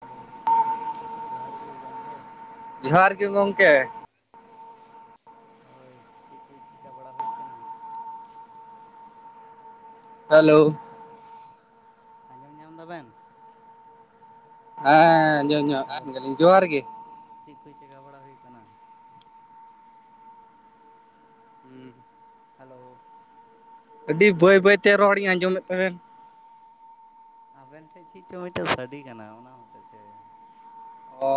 Hello, ᱡᱚᱦᱟᱨ ᱜᱤ ᱜᱚᱝᱠᱮ ᱾ ᱡᱚᱦᱟᱨ ᱜᱮ ᱜᱚᱝᱠᱮ ᱾ ᱦᱳᱭ, ᱪᱮᱫ ᱠᱩ?, ᱵᱤᱱ ᱪᱮᱠᱟ ᱵᱟᱲᱟ ᱦᱩᱭ ᱠᱟᱱᱟ ᱾ ᱦᱟᱞᱳ, ᱾ ᱟᱸᱡᱚᱢ ᱧᱟᱢ ᱮᱫᱟ ᱵᱮᱱ? ᱦᱮᱸᱻᱟᱸᱡᱚᱢ, ᱦᱮᱞᱳ ᱧᱚᱜᱼᱜᱮᱜ ᱟᱞᱤᱧ, ᱡᱚᱦᱟᱨ ᱜᱮ ᱾ ᱪᱮᱫ ᱠᱩ ᱪᱤᱠᱟ ᱵᱟᱲᱟ ᱦᱩᱭᱩᱜ ᱠᱟᱱᱟ? ᱦᱩᱸ [inaudible] ᱦᱟᱞᱳ ᱾ ᱟᱹᱰᱤ, ᱵᱟᱹᱭ-ᱵᱟᱹᱭᱛᱮ, ᱨᱚᱲᱤᱧ ᱟᱸᱡᱚᱢᱮᱫ ᱛᱟᱵᱮᱱ ᱾ ᱟᱵᱮᱱ, ᱴᱷᱮᱱ ᱪᱮᱫ ᱪᱚᱝ ᱢᱤᱫᱴᱟᱸᱝ ᱥᱟᱰᱮ ᱠᱟᱱᱟ, ᱚᱱᱟ ᱦᱚᱛᱮᱡ ᱛᱮ ᱾ ᱚᱻ,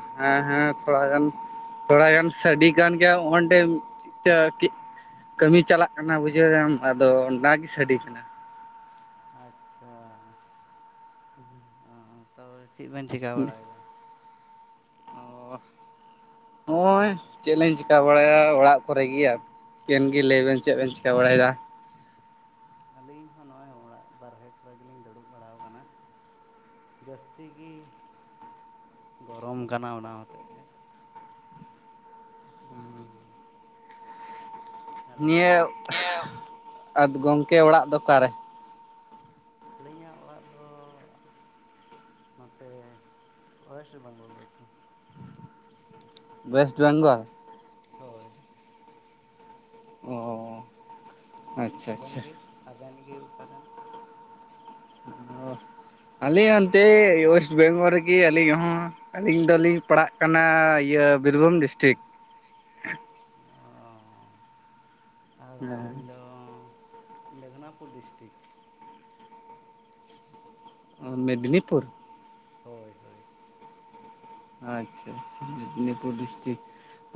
᱾ ᱦᱮᱸ-ᱦᱮᱸ, ᱛᱷᱚᱲᱟ ᱜᱟᱱ, ᱛᱷᱚᱲᱟ ᱜᱟᱱ ᱥᱟᱹᱰᱤ ᱠᱟᱱ ᱜᱮᱭᱟ ᱚᱸᱱᱰᱮ ᱪ [unintelligible] ᱠᱟᱹᱢᱤ ᱪᱟᱞᱟᱜ ᱠᱟᱱᱟ, ᱵᱩᱡᱷᱟᱹᱣ ᱫᱟᱢ ᱟᱫᱚ ᱚᱱᱟ ᱜᱮ ᱥᱟᱹᱰᱤ ᱠᱟᱱᱟ ᱾ ᱟᱪᱪᱷᱟ ᱾ ᱚᱸ ᱛᱚᱵᱮ, ᱪᱮᱫ? ᱵᱮᱱ ᱪᱤᱠᱟ ᱵᱟᱲᱟᱭᱮᱫᱟ ᱾ [inaudible] ᱱᱚᱜᱼᱚᱭ ᱪᱮᱫ ᱞᱤᱧ ᱪᱤᱠᱟᱹ ᱵᱟᱲᱟᱭᱟ, ᱚᱲᱟᱜ ᱠᱚᱨᱮ ᱜᱮ ᱟᱨ ᱾ ᱟᱵᱮᱱ ᱜᱮ, ᱞᱟᱹᱭ ᱵᱮᱱ ᱪᱮᱫ ᱵᱮᱱ ᱪᱤᱠᱟᱹ ᱵᱟᱲᱟᱭᱮᱫᱟ? ᱟᱹᱞᱤᱧ ᱦᱚᱸ ᱱᱚᱜᱼᱚᱭ, ᱚᱲᱟᱜ ᱵᱟᱨᱦᱮ ᱠᱚᱨᱮ, ᱜᱮᱞᱤᱧ ᱫᱩᱲᱩᱵ ᱵᱟᱲᱟ ᱟᱠᱟᱱᱟ ᱾ ᱡᱟᱹᱥᱛᱤ ᱜᱤ, ᱜᱚᱨᱚᱢ ᱠᱟᱱᱟ ᱚᱱᱟ ᱦᱚᱛᱮᱫ ᱛᱮ ᱾ ᱦᱮᱞᱳ ᱱᱤᱭᱟᱹ, ᱟᱫᱚ ᱜᱚᱝᱠᱮ ᱚᱲᱟᱜ ᱫᱚ ᱚᱠᱟ ᱨᱮ? ᱟᱹᱞᱤᱧᱟᱜ ᱚᱲᱟᱜ ᱫᱚ, ᱱᱚᱛᱮ, ᱚᱭᱮᱥᱴ ᱵᱮᱝᱜᱚᱞ ᱨᱮ ᱾ ᱚᱭᱮᱥᱴ ᱵᱮᱝᱜᱚᱞ ᱾ ᱦᱳᱭ ᱾ ᱚᱻᱦᱚ ᱾ ᱟᱵᱮᱱ ᱜᱤ, ᱟᱵᱮᱱ ᱜᱤ ᱚᱠᱟ ᱨᱮᱱ? ᱟᱨ, ᱟᱞᱤᱝ ᱟᱱᱛᱮ ᱚᱭᱮᱥᱴ ᱵᱮᱝᱚᱞ ᱨᱮᱜᱮ ᱟᱞᱤᱧ ᱦᱚᱸ, ᱟᱹᱞᱤᱧ ᱫᱚᱞᱤᱧ ᱯᱟᱲᱟᱜ ᱠᱟᱱᱟ ᱤᱭᱟᱹ ᱵᱤᱨᱵᱷᱩᱢ ᱰᱤᱥᱴᱨᱤᱠ᱾ ᱚᱸᱻᱟᱨ ᱟᱹᱞᱤᱧ ᱦᱮᱸ ᱫᱚ, ᱢᱮᱫᱽᱱᱟᱯᱩᱨ ᱰᱤᱥᱴᱨᱤᱠ ᱾ ᱳ ᱢᱤᱫᱽᱱᱤᱯᱩᱨ, ᱦᱳᱭ ᱦᱳᱭ ᱾ ᱟᱪᱪᱷᱟ ᱟᱪᱪᱷᱟ ᱢᱤᱫᱽᱱᱤᱯᱩᱨ ᱰᱤᱥᱴᱤᱠ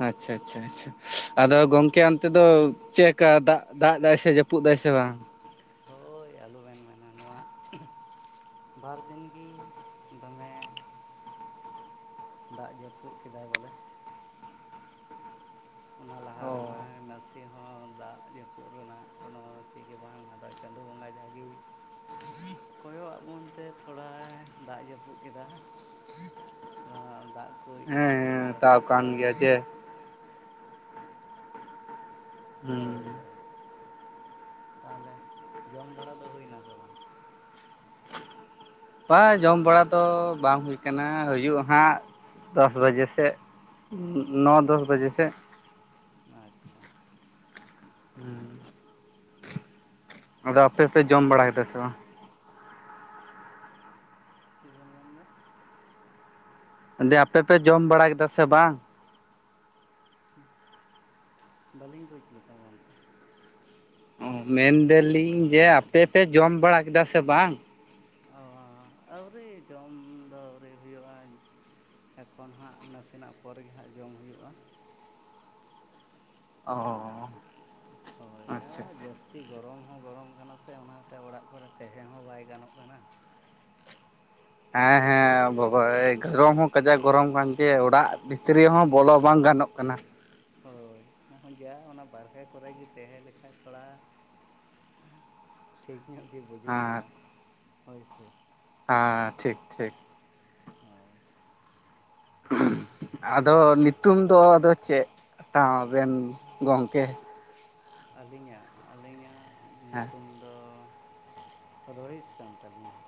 ᱟᱪᱪᱷᱟ ᱟᱪᱪᱷᱟ ᱟᱪᱪᱷᱟ ᱾ ᱟᱫᱚ ᱜᱚᱝᱠᱮ ᱚᱱᱛᱮ ᱫᱚ ᱪᱮᱜᱠᱟ ᱫᱟᱜ ᱫᱟᱜ ᱫᱟᱭ ᱥᱮ ᱡᱟᱹᱯᱩᱫ ᱫᱟᱭ ᱥᱮ ᱵᱟᱝ? ᱦᱳᱭ ᱟᱞᱩᱵᱮᱱ ᱢᱮᱱᱟ ᱱᱚᱣᱟ ᱵᱟᱨ ᱫᱤᱱ ᱜᱤ ᱫᱚᱢᱮ ᱫᱟᱜ ᱡᱟᱹᱯᱩᱫ ᱠᱮᱫᱟᱭ ᱵᱚᱞᱮ ᱾ ᱚᱱᱟ ᱞᱟᱦᱟ ᱚ ᱨᱮᱢᱟ ᱱᱟᱥᱤ‌ ᱦᱚᱸ ᱫᱟᱜ ᱡᱟᱹᱯᱩᱫ ᱨᱮᱱᱟᱜ ᱠᱳᱱᱳ ᱪᱮᱜ ᱜᱮ ᱵᱟᱝ ᱟᱫ ᱪᱟᱸᱫᱳ ᱵᱚᱸᱜᱟ ᱡᱟᱜᱤ ᱠᱚᱭᱚᱜ ᱟᱸᱜ ᱵᱚᱱᱛᱮ ᱛᱷᱚᱲᱟᱭ ᱫᱟᱜ ᱡᱟᱹᱯᱩᱫ ᱠᱮᱫᱟ ᱾ ᱚᱱᱟ ᱫᱟᱜ ᱠᱚ ᱦᱮᱸ ᱤᱭᱟᱹ ᱦᱮᱸ ᱠᱟᱛᱮ ᱛᱟᱣ ᱠᱟᱱ ᱛᱷᱚᱲᱟ ᱟᱨ ᱜᱮᱭᱟ ᱡᱮ ᱦᱩᱸ ᱦᱳᱭ ᱦᱳᱭ, ᱛᱟᱦᱚᱞᱮ ᱡᱚᱢ ᱵᱟᱲᱟ ᱫᱚ ᱦᱩᱭᱱᱟ ᱥᱮ ᱵᱟᱝ? ᱵᱟᱝ ᱡᱚᱢ ᱵᱟᱲᱟ ᱛᱚ ᱵᱟᱝ ᱦᱩᱭ ᱠᱟᱱᱟ ᱦᱩᱭᱩᱜᱼᱟ ᱦᱟᱸᱜ ᱫᱚᱥ ᱵᱟᱡᱮ ᱥᱮᱜ, ᱱᱚ ᱫᱚᱥ ᱟᱪᱪᱷᱟ ᱵᱟᱡᱮ ᱥᱮᱜ᱾ ᱟᱪᱪᱷᱟ ᱾ ᱦᱩᱸᱻ ᱾ ᱟᱫᱚ ᱟᱯᱮᱯᱮ ᱛᱚ ᱡᱚᱢ ᱵᱟᱲᱟ ᱠᱮᱫᱟ ᱥᱮ ᱵᱟᱝ? ᱪᱮᱫ ᱵᱮᱱ ᱢᱮᱱᱫᱟ? ᱞᱟᱭ ᱫᱟ ᱟᱯᱮ ᱯᱮ ᱡᱚᱢ ᱵᱟᱲᱟ ᱠᱮᱫᱟ ᱥᱮ ᱵᱟᱝ? ᱵᱟᱹᱞᱤᱧ ᱵᱩᱡᱽ ᱞᱮᱫᱟ ᱜᱚᱢᱠᱮ ᱾ ᱚ ᱢᱮᱱᱫᱟᱞᱤᱧ ᱡᱮ ᱟᱯᱮ ᱯᱮ ᱡᱚᱢ ᱵᱟᱲᱟ ᱠᱮᱫᱟ ᱥᱮ ᱵᱟᱝ? ᱚ ᱟᱹᱣᱨᱤ ᱡᱚᱢ ᱫᱚ ᱟᱹᱣᱨᱤ ᱦᱩᱭᱩᱜᱼᱟᱭ, ᱮᱠᱷᱚᱱ ᱦᱟᱸᱜ ᱱᱟᱥᱮᱱᱟᱜ ᱯᱚᱨ ᱜᱮ ᱦᱟᱸᱜ ᱡᱚᱢ ᱦᱩᱭᱩᱜᱼᱟ᱾ ᱚᱻ ᱾ ᱦᱳᱭ ᱟ ᱡᱟᱹᱥ ᱡᱟᱹᱥᱛᱤ ᱜᱚᱨᱚᱢ ᱦᱚᱸ ᱜᱚᱨᱚᱢ ᱠᱟᱱᱟ ᱥᱮ ᱚᱱᱟᱛᱮ ᱚᱲᱟᱜ ᱠᱚᱨᱮ ᱛᱟᱦᱮᱸ ᱦᱚᱸ ᱵᱟᱭ ᱜᱟᱱᱚᱜ ᱠᱟᱱᱟ ᱾ ᱦᱮᱸ ᱦᱮᱸ ᱵᱟᱵᱟᱨᱮ ᱜᱚᱨᱚᱢ ᱦᱚᱸ ᱠᱟᱡᱮ ᱜᱚᱨᱚᱢ ᱠᱟᱱ ᱜᱮ ᱚᱲᱟᱜ ᱵᱷᱤᱛᱨᱤ ᱦᱚᱸᱵᱚᱞᱚ ᱵᱟᱝ ᱜᱟᱱᱚᱜ ᱠᱟᱱᱟ ᱾ ᱦᱳᱭ ᱚᱱᱮ ᱡᱟ ᱚᱱᱟ ᱵᱟᱦᱨᱮ ᱠᱚᱨᱮ ᱜᱮ ᱛᱟᱦᱮᱸ ᱞᱮᱠᱷᱟᱡ ᱛᱷᱚᱲᱟ ᱴᱷᱤᱠ ᱧᱚᱜ ᱜᱮ ᱵᱩᱡᱩᱜ ᱠᱟᱱᱟ ᱦᱳᱭᱥᱮ ᱾ ᱦᱟᱸ ᱴᱷᱤᱠ ᱴᱷᱤᱠ ᱾ ᱦᱳᱭ ᱟᱫᱚ ᱱᱤᱛᱩᱢ ᱫᱚ ᱟᱫᱚ ᱪᱮᱜ ᱛᱟ ᱵᱮᱱ ᱜᱚᱢᱠᱮ? ᱟᱹᱞᱤᱧᱟᱜ ᱟᱹᱞᱤᱧᱟᱜ ᱦᱮᱸ ᱧᱩᱛᱩᱢ ᱫᱚ ᱨᱳᱦᱤᱛ ᱠᱟᱱ ᱛᱟᱹᱞᱤᱧᱟ ᱾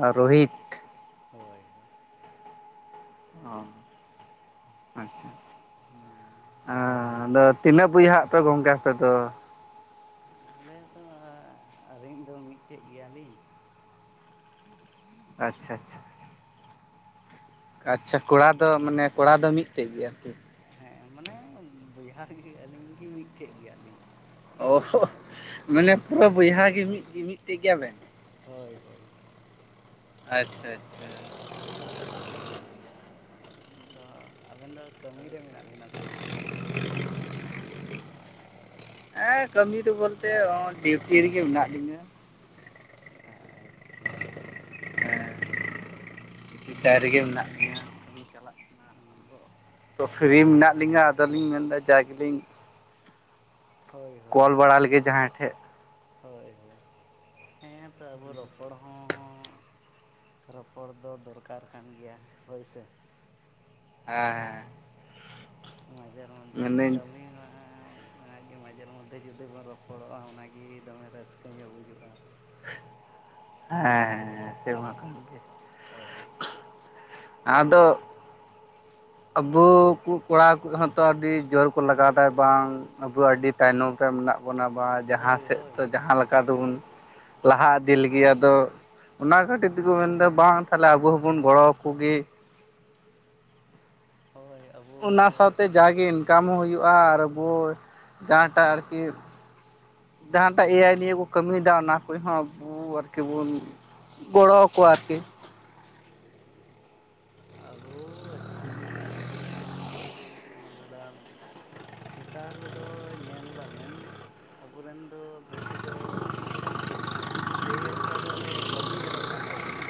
ᱟ ᱨᱳᱦᱤᱛ ᱾ [unintelligible] ᱚ ᱟᱪᱪᱷᱟ ᱟᱪᱪᱷᱟ ᱟᱫᱚ ᱟᱻᱫᱚ ᱛᱤᱱᱟᱹᱜ ᱵᱚᱭᱦᱟ ᱟᱯᱮ ᱜᱚᱝᱠᱮ ᱟᱯᱮᱫᱚ? ᱟᱞᱮ ᱫᱚ ᱟᱹᱞᱤᱧ ᱫᱚ ᱢᱤᱫᱴᱮᱜ ᱜᱮᱭᱟ ᱞᱤᱧ ᱾ ᱟᱪᱪᱷᱟ ᱟᱪᱪᱷᱟ ᱾ ᱟᱪᱪᱷᱟ ᱠᱚᱲᱟ ᱫᱚ ᱢᱟᱱᱮ ᱠᱚᱲᱟ ᱫᱚ ᱢᱤᱫᱴᱮᱜ ᱜᱮ ᱟᱨᱠᱤ ᱦᱮᱸ ᱢᱟᱱᱮ ᱵᱚᱭᱦᱟ ᱜᱮ ᱟᱹᱞᱤᱧ ᱜᱮ ᱢᱤᱫᱴᱮᱜ ᱜᱮᱭᱟᱞᱤᱧ ᱾ ᱚ ᱦᱚ ᱢᱟᱱᱮ ᱯᱩᱨᱟᱹ ᱵᱚᱭᱦᱟ ᱜᱮ ᱢᱤᱫ ᱢᱤᱫᱴᱮᱜ ᱜᱮᱭᱟᱵᱮᱱ? ᱦᱳᱭ ᱦᱳᱭ ᱾ ᱟᱪᱪᱷᱟ ᱟᱪᱪᱷᱟ ᱾ [unintelligible] ᱛᱚ ᱟᱵᱮᱱ ᱫᱚ ᱠᱟᱹᱢᱤ ᱨᱮ ᱢᱮᱱᱟᱜ ᱵᱮᱱᱟ ᱥᱮ ᱪᱮᱫ ᱦᱚᱸ? ᱮᱸ ᱠᱟᱹᱢᱤ ᱫᱚ ᱵᱚᱞᱛᱮ ᱰᱤᱩᱴᱤ ᱨᱮᱜᱮ ᱢᱮᱱᱟᱜ ᱞᱤᱧᱟᱹ᱾ ᱟᱪᱪᱷᱟ ᱦᱮᱸ [inaudible] ᱨᱮᱜᱮ ᱢᱮᱱᱟᱜ ᱞᱤᱧᱟ ᱠᱟᱹᱢᱤ ᱪᱟᱞᱟᱜ ᱠᱟᱱᱟ᱾ ᱛᱚ ᱯᱷᱨᱤ ᱢᱮᱱᱟᱜ ᱞᱤᱧᱟᱹ ᱟᱫᱚᱞᱤᱧ ᱢᱮᱱ ᱮᱫᱟ ᱡᱟᱭ ᱜᱮ ᱞᱤᱧ᱾ ᱦᱳᱭ ᱦᱳᱭ ᱠᱚᱞ ᱵᱟᱲᱟ ᱞᱟᱹᱜᱮ ᱡᱟᱦᱟᱸᱭ ᱴᱷᱮ᱾ ᱦᱳᱭ ᱦᱳᱭ ᱦᱮᱸ ᱛᱚ ᱟᱵᱚ ᱨᱚᱯᱚᱲ ᱦᱚᱸᱻ ᱨᱚᱯᱚᱲ ᱫᱚ ᱫᱚᱨᱠᱟᱨ ᱠᱟᱱ ᱜᱮᱭᱟ ᱦᱚᱹᱭ ᱥᱮ᱾ ᱦᱮᱸ ᱢᱟᱡᱮᱨ ᱢᱚᱫᱽᱫᱷᱮ ᱢᱮᱱᱫᱟᱹᱧ ᱠᱟᱹᱢᱤ ᱢᱟ᱾ ᱢᱟᱡᱷᱮᱨ ᱢᱚᱫᱽᱫᱷᱮ ᱡᱩᱫᱤ ᱵᱚᱱ ᱨᱚᱯᱚᱲᱚᱜᱼᱟ ᱚᱱᱟᱜᱮ ᱫᱚᱢᱮ ᱨᱟᱹᱥᱠᱟ ᱜᱮ ᱵᱩᱡᱷᱩᱜᱼᱟ᱾ ᱦᱳᱭ [unintelligible] ᱟᱫᱚ᱾ ᱟᱵᱚ ᱠᱩ ᱾ ᱠᱚᱲᱟ ᱠᱩ ᱦᱚᱸᱛᱚ ᱟᱹᱰᱤ ᱡᱳᱨ ᱠᱚ ᱞᱟᱜᱟᱣ ᱫᱟ ᱵᱟᱝ ᱟᱵᱚ ᱟᱹᱰᱤ ᱛᱟᱭᱱᱚᱢ ᱨᱮ ᱢᱮᱱᱟᱜ ᱵᱚᱱᱟ ᱵᱟ᱾ ᱡᱟᱦᱟᱸ ᱦᱳᱭ ᱥᱮᱫ ᱦᱳᱭ ᱫᱚ ᱡᱟᱦᱟᱸ ᱞᱮᱠᱟ ᱫᱚᱵᱚᱱ᱾ ᱦᱳᱭ ᱞᱟᱦᱟ ᱤᱫᱤ ᱞᱟᱹᱜᱤᱫ ᱟᱫᱚ ᱚᱱᱟ ᱠᱷᱟᱹᱛᱤᱨ ᱛᱮᱠᱚ ᱢᱮᱱᱮ ᱫᱟ ᱵᱟᱝ ᱛᱟᱦᱞᱮ ᱟᱵᱚ ᱦᱚᱵᱚᱱ ᱜᱚᱲᱚ ᱟᱠᱚ ᱜᱮ᱾ ᱦᱳᱭ ᱚᱱᱟ ᱟᱵᱚ ᱥᱟᱶᱛᱮ ᱡᱟᱜᱮ ᱤᱱᱠᱟᱢ ᱦᱚᱸ ᱦᱩᱭᱩᱜᱼᱟ ᱟᱨ ᱟᱵᱚ ᱡᱟᱦᱟᱸᱴᱟᱜ ᱟᱨᱠᱤ᱾ ᱡᱟᱦᱟᱸᱴᱟᱜ ᱮ ᱟᱭ ᱱᱤᱭᱮ ᱠᱚ ᱠᱟᱹᱢᱤᱭᱮᱫᱟ ᱚᱱᱟ ᱠᱚᱦᱚᱸ ᱟᱵᱚ ᱟᱨᱠᱤ ᱵᱚᱱ ᱾ ᱜᱚᱲᱚ ᱟᱠᱚᱣᱟ ᱠᱤᱱ᱾ ᱟᱵᱚ ᱮᱠᱷᱚᱱ ᱟᱵᱚᱨᱮᱱ᱾ [inaudible] ᱱᱮᱛᱟᱨ ᱫᱚ ᱧᱮᱞᱮ ᱫᱟᱵᱤᱱ᱾ ᱟᱵᱚ ᱨᱮᱱ ᱫᱚ ᱵᱮᱥᱤ ᱫᱚ᱾ ᱥᱮᱭ ᱮᱠᱴᱟ ᱫᱚ ᱵᱟᱠᱚ ᱧᱮᱞᱚᱜ ᱠᱟᱱ ᱛᱟᱵᱚᱱᱟ᱾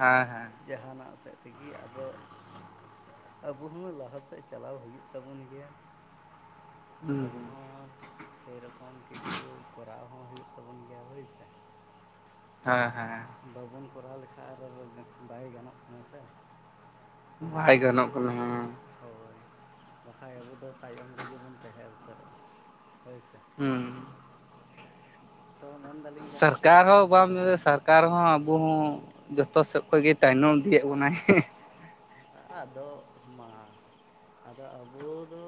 ᱦᱮᱸ ᱦᱮᱸ᱾ ᱡᱟᱦᱟᱱᱟᱜ ᱥᱮᱫ ᱛᱮᱜᱮ ᱟᱫᱚ᱾ ᱟᱵᱚ ᱦᱚᱸ ᱞᱟᱦᱟ ᱥᱮᱫ ᱪᱟᱞᱟᱣ ᱦᱩᱭᱩᱜ ᱛᱟᱵᱚᱱ ᱜᱮᱭᱟ᱾ ᱦᱩᱸ ᱟᱵᱚ ᱦᱚᱸ ᱥᱮᱨᱮᱠᱚᱢ ᱠᱤᱪᱷᱩ ᱠᱚᱨᱟᱣ ᱦᱚᱸ ᱦᱩᱭᱩᱜ ᱛᱟᱵᱚᱱ ᱜᱮᱭᱟ ᱦᱳᱭᱥᱮ᱾ ᱦᱮᱸ ᱦᱮᱸ ᱵᱟᱵᱚᱱ ᱠᱚᱨᱟᱣ ᱞᱮᱠᱷᱟᱱᱡ ᱟᱨ ᱵᱟᱭ ᱜᱟᱱᱚᱜ ᱠᱟᱱᱟᱜ ᱥᱮ᱾ ᱵᱟᱭ ᱜᱟᱱᱚᱜ ᱠᱟᱱᱟ᱾ ᱦᱳᱭ ᱵᱟᱠᱷᱟᱡ ᱟᱵᱚᱫᱚ ᱛᱟᱭᱚᱢ ᱨᱮᱜᱮ ᱵᱚᱱ ᱛᱟᱦᱮᱸ ᱩᱹᱛᱟᱨᱚᱜ-ᱟ ᱦᱳᱭ ᱥᱮ᱾ ᱦᱩᱸ ᱛᱚ ᱢᱮᱱ ᱫᱟ᱾ ᱥᱟᱨᱠᱟᱨ ᱦᱚᱸ ᱵᱟᱢ ᱢᱮᱱ [inaudible] ᱥᱚᱨᱠᱟᱨ ᱦᱚᱸ ᱟᱵᱚ ᱦᱚᱸ ᱡᱚᱛᱚ ᱥᱮᱫ ᱠᱷᱚᱱᱚᱡ ᱜᱮ ᱛᱟᱭᱱᱚᱢ ᱠᱮᱫ ᱵᱚᱱᱟᱭ᱾ ᱟᱫᱚ ᱢᱟ ᱟᱫᱚ ᱟᱵᱚ ᱫᱚ᱾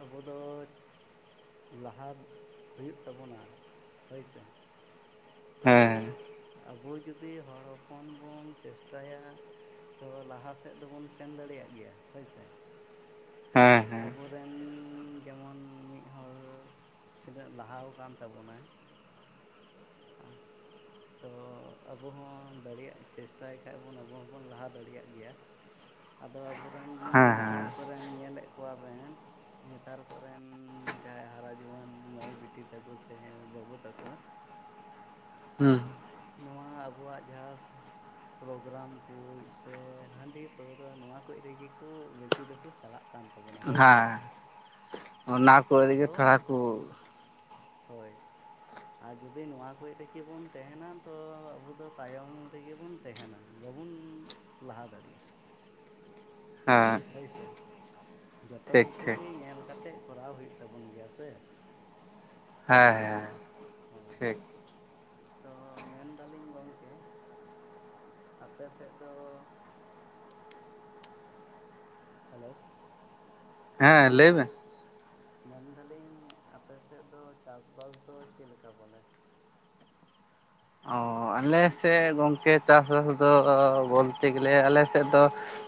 ᱟᱵᱚ ᱫᱚ᱾ ᱞᱟᱦᱟ ᱦᱩᱭᱩᱜ ᱛᱟᱵᱚᱱᱟ ᱦᱳᱭ ᱥᱮ᱾ ᱦᱮᱸ ᱦᱮᱸ ᱟᱵᱚ ᱡᱩᱫᱤ ᱦᱚᱲ ᱦᱚᱯᱚᱱ ᱵᱚᱱ ᱪᱮᱥᱴᱟ ᱭᱟ᱾ ᱛᱚ ᱞᱟᱦᱟ ᱥᱮᱫ ᱫᱚᱵᱚᱱ ᱥᱮᱱ ᱫᱟᱲᱮᱭᱟᱜ ᱜᱮᱭᱟ ᱦᱳᱭ ᱥᱮ᱾ ᱦᱮᱸ ᱦᱮᱸ᱾ ᱟᱵᱚ ᱨᱮᱱ ᱡᱮᱢᱚᱱ ᱢᱤᱫ ᱦᱚᱲ ᱛᱤᱱᱟᱹᱜ ᱞᱟᱦᱟ ᱠᱟᱱ ᱛᱟᱵᱚᱱᱟᱭ᱾ ᱟ ᱛᱚ ᱟᱵᱚ ᱦᱚᱸ ᱫᱟᱹᱲᱮᱭᱟᱜ ᱪᱮᱥᱴᱟᱭ ᱠᱷᱟᱹᱡ ᱵᱚᱱ ᱟᱵᱚ ᱦᱚᱸᱵᱚᱱ ᱞᱟᱦᱟ ᱫᱟᱹᱲᱮᱭᱟᱜ ᱜᱮᱭᱟ᱾ ᱟᱫᱚ ᱟᱵᱚᱨᱮᱱ ᱱᱮᱛᱟᱨ ᱠᱚᱨᱮᱱ ᱧᱮᱞ ᱮᱫ ᱠᱚᱣᱟᱵᱮᱱ᱾ ᱱᱮᱛᱟᱨ ᱠᱚᱨᱮᱱ ᱡᱟᱦᱟᱸᱭ ᱦᱟᱨᱟ ᱡᱩᱣᱟᱹᱱ ᱢᱟᱹᱭ ᱵᱤᱴᱤ ᱛᱟᱠᱚ ᱥᱮ ᱵᱟᱹᱵᱩ ᱛᱟᱠᱚ᱾ ᱦᱩᱸ ᱱᱚᱣᱟ ᱟᱵᱚᱣᱟᱜ ᱡᱟᱦᱟᱸᱥ ᱯᱨᱳᱜᱨᱟᱢ ᱠᱩ ᱥᱮ ᱦᱟᱺᱰᱤ ᱯᱟᱹᱣᱨᱟ ᱱᱚᱣᱟ ᱠᱩᱡ ᱨᱮᱜᱮ ᱠᱚ ᱵᱮᱥᱤ ᱫᱚᱠᱚ ᱪᱟᱞᱟᱜ᱾ ᱠᱟᱹᱱᱛᱟᱵᱚᱱᱟ ᱦᱮᱸ ᱦᱳᱭ ᱥᱮ ᱦᱮᱸ ᱚᱱᱟ ᱠᱚ ᱨᱮᱜᱮ ᱟᱫᱚ᱾ ᱛᱷᱚᱲᱟ ᱠᱚ ᱦᱳᱭ ᱟᱨ ᱡᱩᱫᱤ ᱱᱚᱣᱟ ᱠᱩᱡ ᱨᱮᱜᱮ ᱵᱚᱱ ᱛᱟᱦᱮᱱᱟ᱾ ᱛᱚ ᱟᱵᱚ ᱫᱚ ᱛᱟᱭᱚᱢ ᱨᱮᱜᱮ ᱵᱚᱱ ᱛᱮᱦᱮᱱᱟ ᱵᱟᱵᱚᱱ ᱞᱟᱦᱟ ᱫᱟᱲᱮᱭᱟᱜ-ᱟ᱾ ᱦᱮᱸᱦᱮᱸ ᱦᱳᱭ ᱥᱮ ᱡᱚᱛᱚ ᱠᱤᱪᱷᱩ ᱴᱷᱤᱠ ᱜᱮ ᱧᱮᱞ ᱠᱟᱛᱮ ᱠᱚᱨᱟᱣ ᱦᱩᱭᱩᱜ ᱛᱟᱵᱚᱱ ᱜᱮᱭᱟ ᱥᱮ᱾ ᱦᱮᱸ ᱦᱮᱸ ᱦᱳᱭ ᱴᱷᱤᱠ᱾ ᱛᱚ ᱢᱮᱱᱫᱟᱞᱤᱧ ᱜᱚᱢᱠᱮ ᱟᱯᱮ ᱥᱮᱫ ᱫᱚ᱾ ᱦᱮᱞᱳ ᱦᱮᱸ ᱞᱟᱹᱭ ᱢᱮ᱾ ᱢᱮᱱᱫᱟᱞᱤᱧ ᱟᱯᱮᱥᱮᱜ ᱫᱚ ᱪᱟᱥ ᱵᱟᱥ ᱫᱚ ᱪᱮᱫ ᱞᱮᱠᱟ ᱵᱚᱞᱮ᱾ ᱟᱞᱮᱥᱮᱜ ᱜᱚᱢᱠᱮ ᱪᱟᱥᱵᱟᱥ ᱫᱚ ᱵᱚᱞᱛᱮ ᱜᱮᱞᱮ ᱟᱞᱮᱥᱮᱜ ᱫᱚ᱾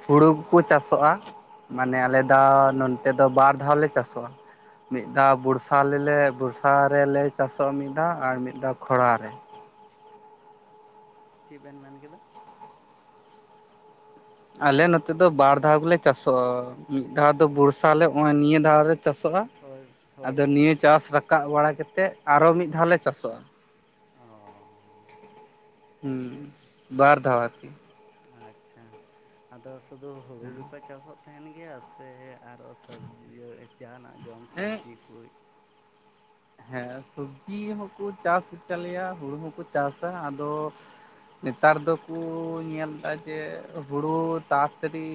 ᱦᱩᱲᱩ ᱠᱚᱠᱚ ᱪᱟᱥᱚᱜᱼᱟ ᱢᱟᱱᱮ ᱟᱞᱮ ᱫᱟ ᱱᱚᱱᱛᱮ ᱫᱚ ᱵᱟᱨ ᱫᱷᱟᱣ ᱞᱮ ᱪᱟᱥᱚᱜᱼᱟ᱾ ᱢᱤᱫ ᱫᱷᱟᱣ ᱵᱚᱲᱥᱟ ᱞᱮᱞᱮ ᱵᱚᱨᱥᱟ ᱨᱮᱞᱮ ᱪᱟᱥᱚᱜᱼᱟ ᱢᱤᱫ ᱫᱷᱟ ᱟᱨ ᱢᱤᱫ ᱫᱷᱟ ᱠᱷᱚᱨᱟ ᱨᱮ᱾ ᱪᱮᱜ ᱵᱮᱱ ᱢᱮᱱ ᱠᱮᱫᱟ᱾ ᱟᱞᱮ ᱱᱚᱛᱮ ᱫᱚ ᱵᱟᱨ ᱫᱷᱟᱣ ᱜᱮᱞᱮ ᱪᱟᱥᱚᱜ᱾ ᱢᱤᱫ ᱫᱷᱟᱣ ᱫᱚ ᱵᱚᱲᱥᱟᱞᱮ ᱱᱚᱼᱚᱭ ᱱᱤᱭᱟᱹ ᱫᱷᱟᱣ ᱞᱮ ᱪᱟᱥᱚᱜᱼᱟ᱾ ᱦᱳᱭ ᱦᱳᱭ ᱟᱫᱚ ᱱᱤᱭᱟᱹ ᱪᱟᱥ ᱨᱟᱠᱟᱵ ᱵᱟᱲᱟ ᱠᱟᱛᱮ ᱟᱨᱚ ᱢᱤᱫ ᱫᱷᱟᱣ ᱞᱮ ᱪᱟᱥᱚᱜᱼᱟ᱾ ᱚ ᱦᱩᱸ ᱵᱟᱨ ᱫᱷᱟᱣ ᱟᱨᱠᱤ᱾ ᱟᱪᱪᱷᱟ ᱟᱫᱚ ᱥᱩᱫᱩ ᱦᱩᱲᱩ ᱜᱮᱯᱮ ᱪᱟᱥᱚᱜ᱾ ᱛᱟᱦᱮᱱ ᱜᱮᱭᱟ ᱥᱮ ᱟᱨᱚ ᱥᱚᱵᱡᱤ ᱡᱟᱦᱟᱱᱟᱜ ᱡᱚᱢ ᱮᱸᱜ ᱥᱚᱵᱽᱡᱤ ᱠᱩ ᱦᱮᱸ ᱥᱚᱵᱡᱤ ᱦᱚᱸᱠᱩ ᱪᱟᱥ ᱜᱮ ᱛᱟᱞᱮᱭᱟ ᱦᱩᱲᱩ ᱦᱚᱸᱠᱚ ᱪᱟᱥᱟ ᱟᱫᱚ ᱱᱮᱛᱟᱨ ᱫᱚᱠᱩ ᱧᱮᱞ ᱮᱫᱟ ᱡᱮ ᱦᱩᱲᱩ ᱛᱟᱲᱟᱛᱟᱹᱲᱤ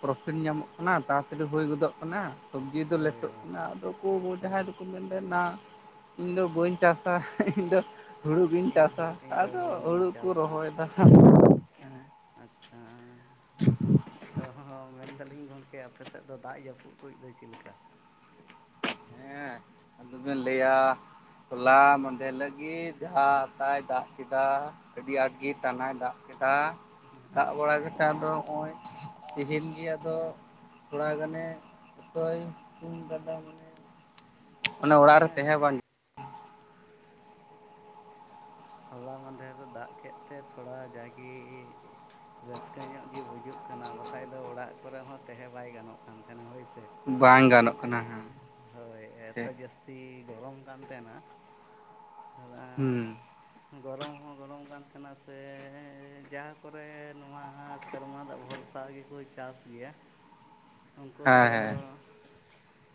ᱯᱨᱚᱯᱷᱤᱴ ᱧᱟᱢᱚᱜ ᱠᱟᱱᱟ ᱛᱟᱲᱟᱛᱟᱹᱲᱤ ᱦᱩᱭ ᱜᱚᱫᱚᱜ ᱠᱟᱱᱟ ᱥᱚᱵᱡᱤ ᱫᱚ ᱦᱳᱭ ᱞᱮᱴᱚᱜ ᱦᱳᱭ ᱠᱟᱱᱟ ᱟᱫᱚ ᱠᱩ ᱡᱟᱦᱟᱭ ᱦᱳᱭ ᱫᱚ ᱠᱩ ᱢᱮᱱ ᱮᱫᱟ ᱱᱟ ᱤᱧ ᱫᱚ ᱵᱟᱹᱧ ᱪᱟᱥᱟ, ᱤᱧ ᱫᱚ, ᱦᱩᱲᱩ ᱜᱤᱧ ᱤᱧ ᱪᱟᱥᱟ ᱤᱧ ᱫᱚ ᱟᱫᱚ ᱜᱤᱧ ᱦᱩᱲᱩ ᱠᱩ ᱪᱟᱥᱟ ᱨᱚᱦᱚᱭᱫᱟ᱾ ᱟᱪᱪᱷᱟ, ᱛᱚ ᱱᱚᱜᱚᱭ ᱢᱮᱱᱫᱟᱞᱤᱧ ᱜᱚᱝᱠᱮ ᱟᱯᱮᱥᱮᱫ ᱫᱚ ᱫᱟᱜ ᱡᱟᱹᱯᱩᱫ ᱠᱩᱡ ᱫᱚ ᱪᱮᱫ ᱞᱮᱠᱟ? ᱦᱮᱸ ᱟᱫᱚᱵᱤᱱ ᱞᱟᱹᱭᱟ, ᱦᱚᱞᱟ ᱢᱟᱫᱷᱮᱨ ᱞᱟᱹᱜᱤᱫ ᱡᱟᱦᱟ ᱟᱛᱟᱭ ᱫᱟᱜ ᱠᱮᱫᱟ᱾ ᱟᱹᱰᱤ ᱟᱸᱴ ᱜᱮ ᱴᱟᱱᱟᱭ ᱫᱟᱜ ᱠᱮᱫᱟ, ᱫᱟᱜ ᱵᱟᱲᱟ ᱟᱪᱪᱷᱟ ᱠᱮᱜᱠᱷᱟᱱ ᱫᱚ ᱱᱚᱜᱚᱭ᱾ ᱛᱤᱦᱤᱧ ᱜᱮ ᱟᱫᱚ ᱛᱷᱚᱲᱟ ᱜᱟᱱᱮ ᱚᱛᱚᱭ ᱥᱛᱩᱢ ᱠᱟᱫᱟ ᱢᱟᱱᱮ, ᱚᱱᱮ ᱚᱲᱟᱜ ᱨᱮ ᱦᱮᱸ ᱱᱚ ᱛᱟᱦᱮᱸ ᱵᱟᱝ ᱦᱚᱞᱟ ᱢᱟᱫᱷᱮᱨᱮ ᱫᱟᱜ ᱠᱮᱫ ᱛᱮ ᱛᱷᱚᱲᱟ ᱡᱟᱜᱤ, ᱨᱟᱹᱥᱠᱟᱹ ᱧᱚᱜ ᱜᱮ ᱵᱩᱡᱩᱜ ᱠᱟᱱᱟ ᱵᱟᱠᱷᱟᱡ ᱫᱚ ᱚᱲᱟᱜ ᱠᱚᱨᱮ ᱦᱚᱸ ᱛᱟᱸᱦᱮ ᱵᱟᱭ ᱜᱟᱱᱚᱜ ᱠᱟᱱ ᱛᱟᱦᱮᱱ ᱦᱳᱭ ᱥᱮ᱾ ᱵᱟᱝ ᱜᱟᱱᱚᱜ ᱠᱟᱱᱟ ᱦᱮᱸ ᱦᱮᱸ, ᱦᱳᱭ ᱮᱛᱚ ᱴᱷᱤᱠ ᱡᱟᱹᱥᱛᱤ ᱜᱚᱨᱚᱢ ᱠᱟᱱ ᱛᱟᱦᱮᱱᱟ, ᱦᱚᱞᱟ, ᱦᱩᱸ ᱜᱚᱨᱚᱢ ᱦᱚᱸ ᱜᱚᱨᱚᱢ ᱠᱟᱱ ᱛᱟᱦᱮᱱᱟ ᱥᱮ ᱡᱟᱦᱟᱸ ᱠᱚᱨᱮ ᱱᱚᱣᱟ ᱥᱮᱨᱢᱟ ᱫᱟᱜ ᱵᱷᱚᱨᱥᱟᱜ ᱜᱮ, ᱦᱳᱭ ᱪᱟᱥ ᱜᱮᱭᱟ᱾ ᱩᱱᱠᱩ ᱦᱮᱸ ᱫᱚ, ᱦᱮᱸ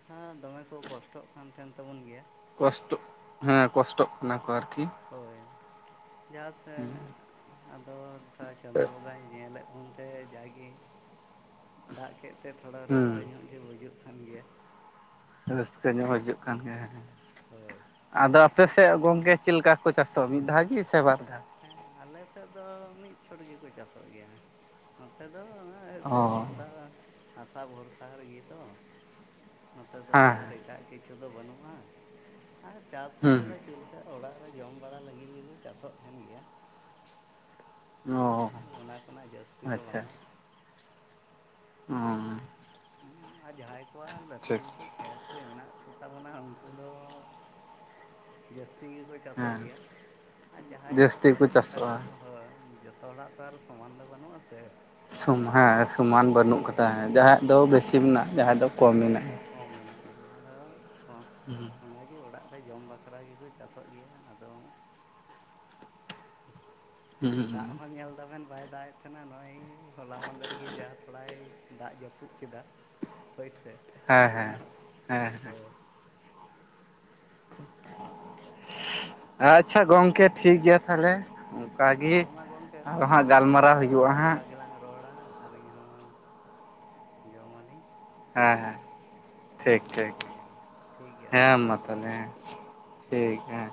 ᱦᱚᱸ ᱫᱚᱢᱮ ᱠᱚ ᱠᱚᱥᱴᱚᱜ ᱠᱟᱱ ᱛᱟᱦᱮᱱ ᱛᱟᱵᱚᱱ ᱜᱮᱭᱟ᱾ ᱠᱚᱥᱴᱚᱜ, ᱦᱮᱸ ᱠᱚᱥᱴᱚᱜ ᱠᱟᱱᱟ ᱠᱚ ᱟᱨᱠᱤ᱾ ᱦᱳᱭ ᱡᱟᱦᱟᱸ ᱡᱟᱥᱴ ᱟᱫᱚ ᱡᱟ ᱪᱟᱸᱫᱚ ᱵᱚᱸᱜᱟᱭ ᱧᱮᱞᱮᱫ, ᱚᱱᱛᱮ ᱡᱟᱜᱮ ᱫᱟᱜ ᱠᱮᱫ ᱛᱮ ᱛᱷᱚᱲᱟ ᱦᱩᱸ ᱨᱟᱹᱥᱠᱟᱹ ᱧᱚᱜ ᱜᱮ ᱵᱩᱡᱩᱜ ᱠᱟᱱ ᱜᱮᱭᱟ᱾ ᱨᱟᱹᱥᱠᱟᱹ ᱧᱚᱜ ᱵᱩᱡᱩᱜ ᱠᱟᱱ ᱜᱮᱭᱟ ᱦᱮᱸ ᱦᱮᱸ, ᱦᱳᱭ, ᱟᱫᱚ ᱟᱯᱮᱥᱮᱜ ᱜᱚᱝᱠᱮ ᱪᱮᱜᱞᱮᱟ ᱠᱚ ᱪᱟᱥᱚᱜ ᱢᱤᱫ ᱫᱷᱟ ᱜᱮ ᱥᱮ ᱵᱟᱨ ᱫᱷᱟᱣ᱾ ᱦᱮᱸ ᱟᱞᱮ ᱥᱮᱫ ᱫᱚ ᱢᱤᱫ ᱪᱷᱚᱴ ᱜᱮᱠᱚ ᱪᱟᱥᱚᱜ ᱜᱮᱭᱟ᱾ ᱱᱚᱛᱮ ᱫᱚ, ᱥᱮᱨᱢᱟ ᱚ ᱫᱟᱜ ᱟᱥᱟ ᱵᱷᱚᱨᱥᱟ ᱨᱮᱜᱮ ᱛᱚ᱾ ᱱᱚᱛᱮ ᱫᱚ ᱦᱮᱸ ᱟᱨ ᱮᱴᱟᱜ ᱠᱤᱪᱷᱩ ᱫᱚ ᱵᱟᱹᱱᱩᱜᱼᱟ ᱟᱨ ᱪᱟᱥ ᱦᱚᱸ ᱦᱮᱸ ᱵᱚᱞᱮ ᱪᱮᱞᱮ, ᱱᱮᱛᱟᱨ ᱚᱲᱟᱜ ᱨᱮ ᱡᱚᱢ ᱵᱟᱲᱟ ᱞᱟᱹᱜᱤᱫ ᱜᱮᱠᱚ ᱪᱟᱥᱚᱜ ᱛᱟᱦᱮᱱ ᱜᱮᱭᱟ᱾ ᱦᱩᱸ ᱚ ᱚᱱᱟ ᱠᱷᱚᱱᱟᱜ ᱡᱟᱹᱥᱛᱤ ᱫᱚ ᱵᱟᱝᱟ᱾ ᱩ ᱩᱸ ᱟᱨ ᱡᱟᱦᱟᱸᱭ ᱠᱚᱣᱟᱜ ᱞᱟᱹᱴᱩ ᱞᱟᱹᱴᱩ, ᱠᱷᱮᱛ ᱠᱚ ᱢᱮᱱᱟᱜ ᱠᱚᱛᱟ ᱵᱚᱱᱟ ᱩᱱᱠᱩ ᱫᱚ, ᱡᱟᱹᱥᱛᱤ ᱜᱮᱠᱚ, ᱪᱟᱥᱚᱜ ᱦᱮᱸ ᱜᱮᱭᱟ ᱟᱨ ᱡᱟᱦᱟᱸᱭᱟᱜ ᱡᱟᱹᱥᱛᱤ ᱠᱚ ᱵᱟᱹᱱᱩᱜ ᱠᱚᱛᱟ ᱠᱚ ᱪᱟᱥᱚᱜᱼᱟ ᱦᱚᱦᱚ ᱡᱚᱛ, ᱡᱚᱛᱚ ᱦᱚᱲᱟᱜ ᱛᱚ ᱟᱨ ᱥᱚᱢᱟᱱ ᱫᱚ ᱵᱟᱹᱱᱩᱜᱼᱟ ᱥᱮ᱾ ᱥᱚᱢ ᱦᱮᱸ ᱥᱚᱢᱟᱱ ᱵᱟᱹᱱᱩᱜ ᱦᱳᱭ ᱠᱟᱫᱟ ᱡᱟᱦᱟᱸᱭᱟᱜ ᱫᱚ ᱦᱳᱭ ᱵᱮᱥᱤ ᱢᱮᱱᱟᱜᱼᱟ, ᱡᱟᱦᱟᱸᱭᱟᱜ ᱫᱚ ᱠᱚᱢ ᱢᱮᱱᱟᱜᱼᱟ᱾ ᱡᱟᱦᱟᱸᱭᱟᱜ ᱠᱚᱢ ᱢᱮᱱᱟᱜᱼᱟ, ᱟᱫᱚ ᱠᱚᱢ, [unintelligible] ᱚᱱᱟᱜᱮ ᱚᱲᱟᱜ ᱨᱮ ᱡᱚᱢ ᱵᱟᱠᱷᱨᱟ ᱜᱮᱠᱚ ᱪᱟᱥᱚᱜ ᱜᱮᱭᱟ ᱟᱫᱚ, ᱦᱩᱸ [unintelligible] ᱫᱟᱜ ᱦᱚᱸ ᱧᱮᱞᱫᱟᱵᱮᱱ ᱵᱟᱭ ᱫᱟᱜ ᱮᱫ ᱛᱟᱦᱮᱱᱟ ᱱᱚᱜᱼᱚᱭ ᱦᱚᱞᱟ ᱢᱟᱸᱫᱮᱨᱜᱮ ᱡᱟ ᱛᱷᱚᱲᱟᱭ, ᱫᱟᱜ ᱡᱟᱹᱯᱩᱫ ᱠᱮᱫᱟ᱾ ᱦᱳᱭ ᱥᱮ ᱦᱮᱸ ᱦᱮᱸ ᱚᱱᱟ ᱦᱮᱸ ᱦᱳᱭ, ᱟᱪᱷᱟ ᱜᱚᱝᱠᱮ, ᱴᱷᱤᱠ ᱜᱮᱭᱟ᱾ ᱛᱟᱦᱚᱞᱮ, ᱚᱱᱠᱟ ᱜᱮ᱾ ᱦᱮᱸ ᱢᱟ ᱜᱚᱢᱠᱮ ᱛᱤᱦᱤᱧ ᱱᱤᱛᱚᱜ ᱫᱚ, ᱱᱚᱝᱠᱟ ᱦᱟᱸᱜ ᱜᱮᱞᱟᱝ ᱨᱚᱲᱟ᱾ ᱟᱹᱞᱤᱧ ᱦᱚᱸ ᱡᱚᱢᱟᱞᱤᱧ᱾ ᱦᱮᱸ ᱦᱮᱸ, ᱦᱮᱸ ᱴᱷᱤᱠ ᱢᱟ ᱴᱷᱤᱠ, ᱜᱮᱭᱟ ᱴᱷᱤᱠ ᱜᱮᱭᱟ ᱦᱮᱸ ᱫᱚᱦᱚᱭ ᱢᱟ ᱫᱟᱞᱤᱧ ᱦᱳᱭ ᱛᱟᱦᱚᱞᱮ ᱦᱮᱸ ᱦᱳᱭ ᱴᱷᱤᱠ ᱦᱮᱸ᱾